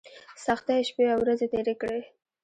سختۍ شپې او ورځې تېرې کړې.